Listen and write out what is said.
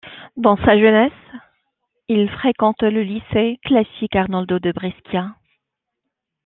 Dans sa jeunesse, il fréquente le lycée classique Arnaldo de Brescia.